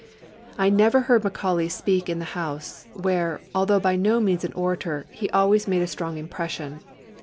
] "I never heard Macaulay speak in the House, where, although by no means an orator, he always made a strong impression.